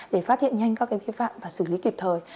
để phát hiện nhanh các vi phạm và xử lý kịp thời